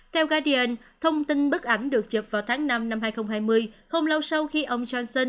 theo gadian thông tin bức ảnh được chụp vào tháng năm năm hai nghìn hai mươi không lâu sau khi ông johnson